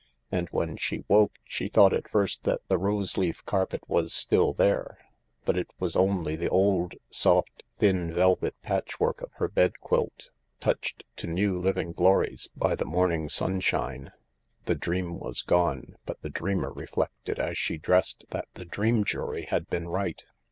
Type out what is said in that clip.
And when she woke she thought at first that the rose leaf carpet was still there, but it was only the old, soft, thin velvet patchwork of her bed quilt, touched to new living glories by the morning sunshine. The dream was gone, but the dreamer reflected, as she dressed, that the dream jury had been right.